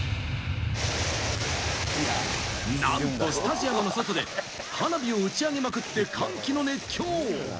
なんとスタジアムの外で花火を打ち上げまくって歓喜の熱狂！